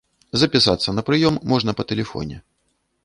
Запісацца на прыём можна па тэлефоне.